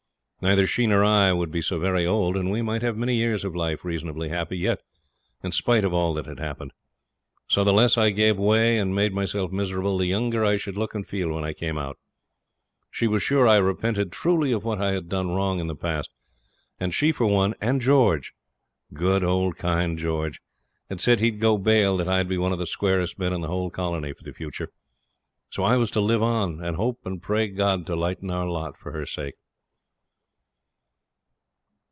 Neither she nor I would be so very old, and we might have many years of life reasonably happy yet in spite of all that had happened. So the less I gave way and made myself miserable, the younger I should look and feel when I came out. She was sure I repented truly of what I had done wrong in the past; and she for one, and George good, old, kind George had said he would go bail that I would be one of the squarest men in the whole colony for the future. So I was to live on, and hope and pray God to lighten our lot for her sake.